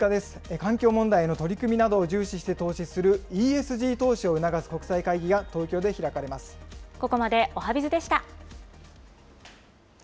環境問題の取り組みなどを重視して投資する、ＥＳＧ投資を促す国際会議が東京で開かれここまでおはＢｉｚでした。